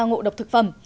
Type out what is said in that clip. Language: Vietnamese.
ngộ độc thực phẩm